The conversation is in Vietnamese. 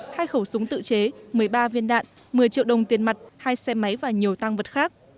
hai khẩu súng tự chế một mươi ba viên đạn một mươi triệu đồng tiền mặt hai xe máy và nhiều tăng vật khác